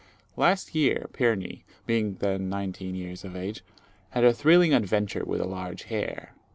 Last year Pirnie being then nineteen years of age had a thrilling adventure with a large hare.